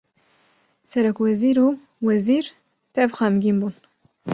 serokwezir û wezîr tev xemgîn bûn